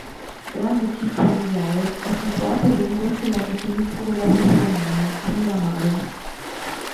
Grande cippo miliare, è situato lungo sul lato sinistro della Via Flaminia, a Miramare.